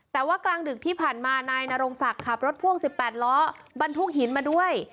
แต่ว่ากลางดึกที่ผ่านมานายนรงศักดิ์ขับรถพ่วง๑๘ล้อบรรทุกหินมาด้วย